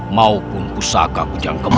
maupun pusaka hujan kembar